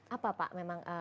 apa pak memang